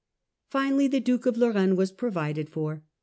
Finally, the Duke of Lorraine was provided for.